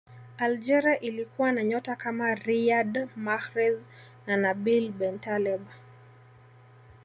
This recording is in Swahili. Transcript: algeria ilikuwa na nyota kama riyad mahrez na nabil bentaleb